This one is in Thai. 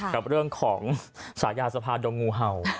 กับเรื่องของฉายาสะพานดงงูเห่า